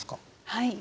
はい。